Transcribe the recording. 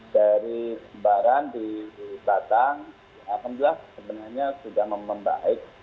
dari barang di batang delapan belas sebenarnya sudah membaik